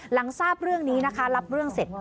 หลังทราบเรื่องนี้นะคะรับเรื่องเสร็จ